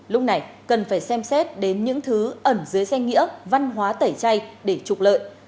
lúc này cần phải xem xét đến những thứ ẩn dưới danh nghĩa văn hóa tẩy chay để trục lợi